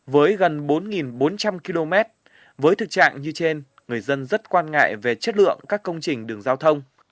với gần bốn bốn trăm linh km với thực trạng như trên người dân rất quan ngại về chất lượng các công trình đường giao thông